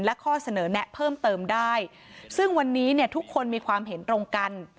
และข้อเสนอแนะเพิ่มเติมได้ซึ่งวันนี้เนี่ยทุกคนมีความเห็นตรงกัน